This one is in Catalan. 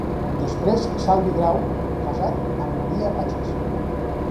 Després Salvi Grau, casat amb Maria Pagès.